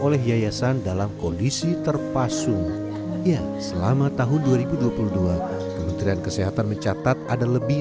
oleh yayasan dalam kondisi terpasung ya selama tahun dua ribu dua puluh dua kementerian kesehatan mencatat ada lebih